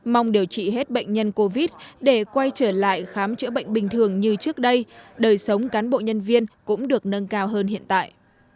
mong điều trị hết bệnh nhân covid để quay trở lại khám chữa bệnh bình thường như trước đây đời sống cán bộ nhân viên cũng được nâng cao hơn hiện tại